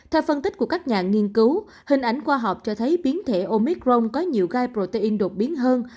theo phân tích của các nhà nghiên cứu hình ảnh khoa học cho thấy biến thể omicron có nhiều gai protein đột biến hơn